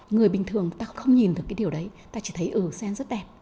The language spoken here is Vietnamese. người bình thường ta không nhìn được cái điều đấy ta chỉ thấy ở sen rất đẹp